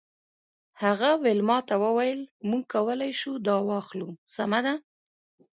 هغه ویلما ته وویل موږ کولی شو دا واخلو سمه ده